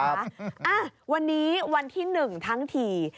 อ่ะวันนี้วันที่๑ทั้งที